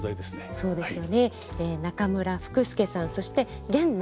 そうですね。